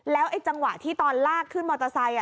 ไอ้จังหวะที่ตอนลากขึ้นมอเตอร์ไซค์